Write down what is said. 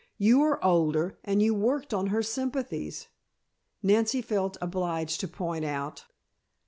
You are older, and you worked on her sympathies," Nancy felt obliged to point out.